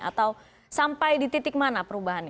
atau sampai di titik mana perubahannya